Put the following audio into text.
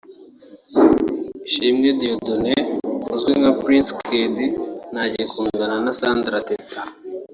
Ishimwe Dieudonne uzwi nka Prince Kid ntagikundana na Sandra Teta